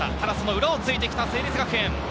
裏をついてきた成立学園。